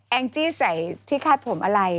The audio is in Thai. แอลล์จี้ใส่ที่คาดผมอะไร